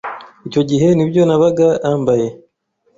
icyo gihe nibyo nabaga ambaye